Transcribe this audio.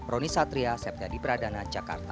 roni satria septya di pradana jakarta